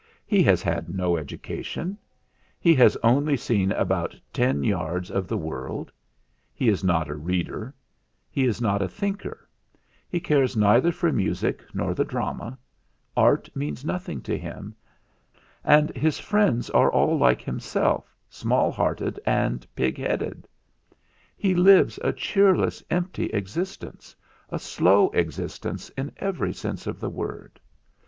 He has had no education; he has only seen about ten yards of the world ; he is not a reader ; he is not a thinker; he cares neither for music nor the drama ; art means nothing to him ; and his friends are like himself small hearted and pig headed. He lives a cheerless, empty existence a slow existence in every sense of the word.